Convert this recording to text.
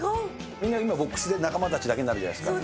みんな今ボックスで仲間たちだけになるじゃないですか。